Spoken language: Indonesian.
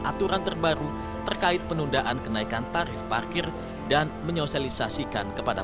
aturan terbaru terkait penundaan kenaikan tarif parkir dan menyosialisasikan kepada